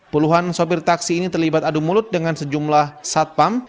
puluhan sopir taksi ini terlibat adu mulut dengan sejumlah satpam